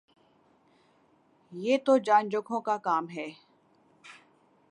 یہ تو جان جوکھوں کا کام ہے